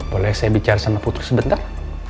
boleh saya bicara sama putri sebentar